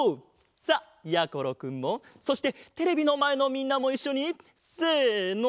さあやころくんもそしてテレビのまえのみんなもいっしょにせの！